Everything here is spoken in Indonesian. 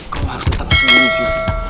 kau harus tetap disini